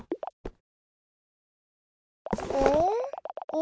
お？